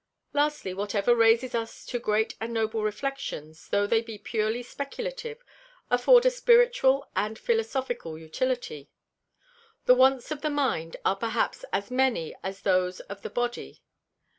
Lastly, whatever raises us to Great and Noble Reflexions, tho' they be purely Speculative, afford a Spiritual and Philosophical Utility. The Wants of the Mind are perhaps as many as those of the Body.